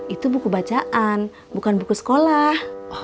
itu buku bacaan bukan buku sekolah